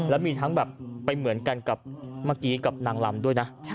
แล้วมีทั้งแบบไปเหมือนกันกับเมื่อกี้กับนางลำด้วยนะ